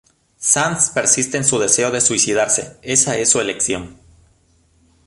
Sands persiste en su deseo de suicidarse, esa es su elección.